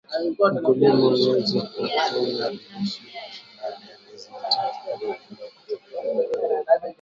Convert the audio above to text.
mkulima huanza kuvuna viazi lishe baada ya miezi mitatu hadi minne toka vimepandwa